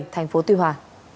tp tuy hòa